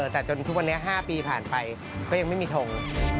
แต่จนทุกวันนี้๕ปีผ่านไปก็ยังไม่มีทง